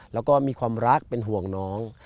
แล้วก็มีความรักเป็นห่วงน้อง